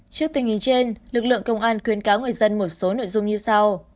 trước tình hình trên lực lượng công an khuyến cáo người dân một số nội dung như sau